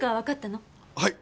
はい。